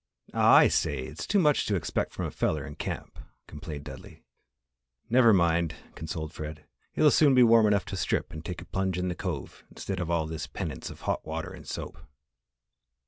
"Ah, I say! It's too much to expect from a feller in camp," complained Dudley. "Never mind," consoled Fred. "It'll soon be warm enough to strip and take a plunge in the Cove instead of all this penance of hot water and soap."